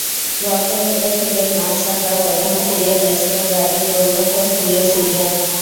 বক্সের ভেতর থেকে নেওয়া শটটা প্রথমে ফিরিয়ে দিয়েছিলেন ব্রাজিল গোলরক্ষক হুলিও সিজার।